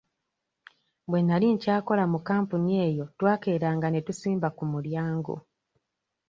Bwe nali nkyakola mu kampuni eyo twakeranga ne tusimba ku mulyango.